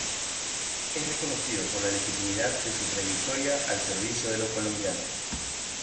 Es reconocido por la legitimidad de su trayectoria al servicio de los colombianos.